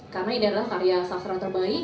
karena ini adalah karya sastra terbaik